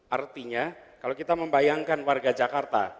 artinya kalau kita membayangkan warga jakarta